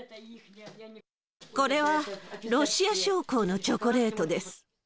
これはロシア将校のチョコレートです。